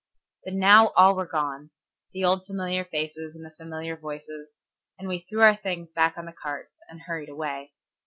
But now all were gone, the old familiar faces and the familiar voices, and we threw our things back on the carts and hurried away.